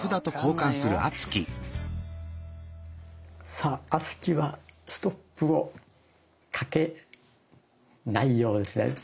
さあ敦貴はストップをかけないようですね。